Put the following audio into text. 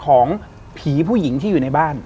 ของผีผู้หญิงที่อยู่ในบ้าน